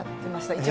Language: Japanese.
一応。